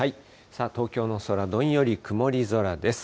東京の空、どんより曇り空です。